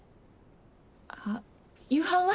あ夕飯は？